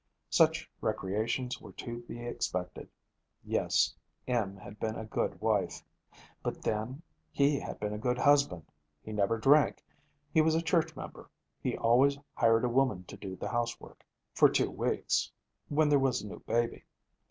Such recreations were to be expected. Yes, Em had been a good wife. But then, he had been a good husband. He never drank. He was a church member. He always hired a woman to do the housework, for two weeks, when there was a new baby.